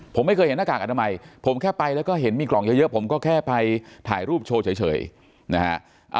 ผมไม่เคยเห็นหน้ากากอนามัยผมแค่ไปแล้วก็เห็นมีกล่องเยอะผมก็แค่ไปถ่ายรูปโชว์เฉยนะฮะ